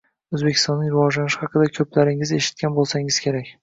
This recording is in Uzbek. O'zbekistonning rivojlanishi haqida ko'plaringiz eshitgan bo'lsangiz kerak